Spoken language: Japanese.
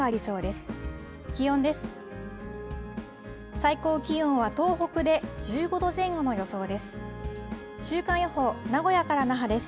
最高気温は東北で１５度前後の予想です。